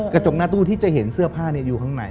กระจกหน้าตู้ที่จะเห็นเสื้อผ้าอยู่ข้างใน